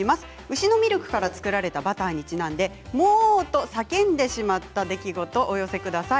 牛のミルクから作られたバターにちなんで「“モッ！”と叫んでしまった出来事」をお寄せください。